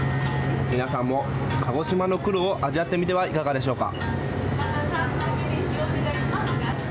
皆さんも鹿児島の黒を味わってみてはいかがでしょうか。